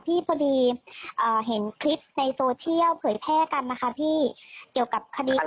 พอดีเห็นคลิปในโซเชียลเผยแพร่กันนะคะพี่เกี่ยวกับคดี